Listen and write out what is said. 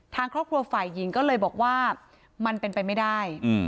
ทางครอบครัวฝ่ายหญิงก็เลยบอกว่ามันเป็นไปไม่ได้